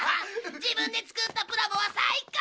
自分で作ったプラモは最高！